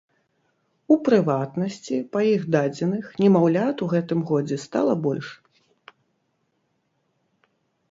У прыватнасці, па іх дадзеных, немаўлят у гэтым годзе стала больш.